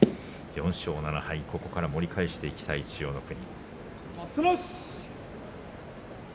４勝７敗、ここから盛り返していきたい千代の国。